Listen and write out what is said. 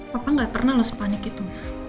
papa gak pernah loh sepanik itu